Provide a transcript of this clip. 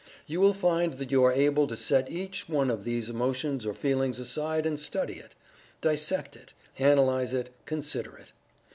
You will find that you are able to set each one of these emotions or feelings aside and study it; dissect it; analyze it; consider it.